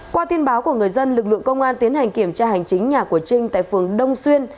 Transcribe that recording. qua tin báo của người dân lực lượng công an tiến hành kiểm tra hành chính nhà của trinh tại phường đông xuyên